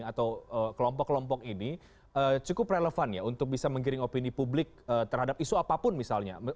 atau kelompok kelompok ini cukup relevan ya untuk bisa menggiring opini publik terhadap isu apapun misalnya